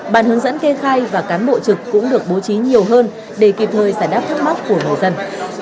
bàn hướng dẫn kê khai và cán bộ trực cũng được bố trí nhiều hơn để kịp thời giải đáp thắc mắc của người dân